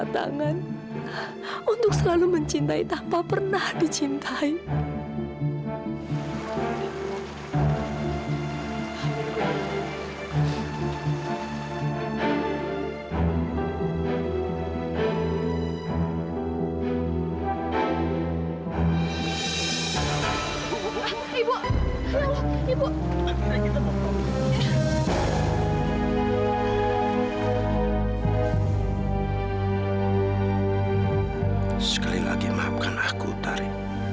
dateng dong putri